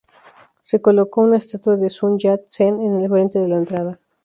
Se colocó una estatua de Sun Yat-sen en el frente de la entrada principal.